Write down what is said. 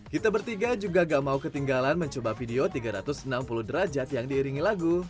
kita bertiga juga gak mau ketinggalan mencoba video tiga ratus enam puluh derajat yang diiringi lagu